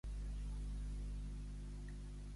Ciutadans ha tornat a provocar a Canet de Mar.